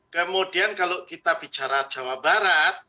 kemudian kalau kita bicara jawa barat